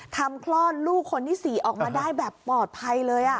คลอดลูกคนที่๔ออกมาได้แบบปลอดภัยเลย